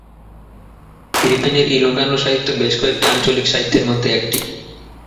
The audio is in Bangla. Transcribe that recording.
ফিলিপাইনের ইলোকানো সাহিত্য বেশ কয়েকটি আঞ্চলিক সাহিত্যের মধ্যে একটি।